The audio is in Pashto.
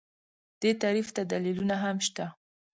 دې تعریف ته دلیلونه هم شته